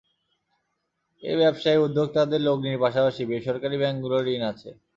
এ ব্যবসায় উদ্যোক্তাদের লগ্নির পাশাপাশি বেসরকারি ব্যাংকগুলোর ঋণ আছে।